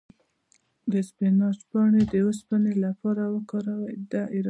د اسفناج پاڼې د اوسپنې لپاره وکاروئ